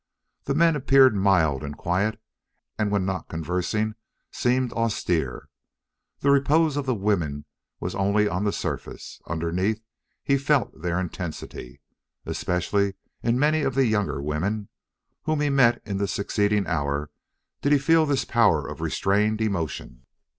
The men appeared mild and quiet, and when not conversing seemed austere. The repose of the women was only on the surface; underneath he felt their intensity. Especially in many of the younger women, whom he met in the succeeding hour, did he feel this power of restrained emotion.